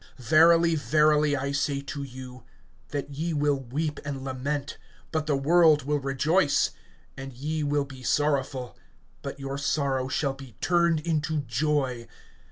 (20)Verily, verily, I say to you, that ye will weep and lament, but the world will rejoice; and ye will be sorrowful, but your sorrow shall be turned into joy.